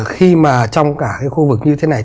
khi mà trong cả cái khu vực như thế này